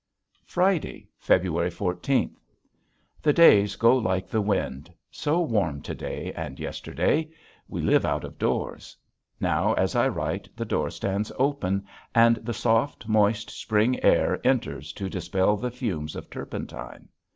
Friday, February fourteenth. The days go like the wind. So warm to day and yesterday! We live out of doors. Now as I write the door stands open and the soft, moist, spring air enters to dispel the fumes of turpentine.